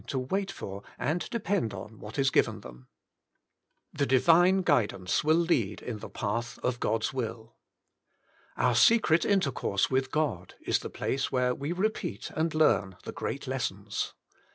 to wartior, and depend on what is.^iven_thgm. The Divine guidance will lead in the path of God's wHl. 8. Our secret intercourse with God is the place where we repeat and learn the great lessons.